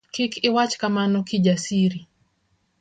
kik iwach kamano Kijasiri.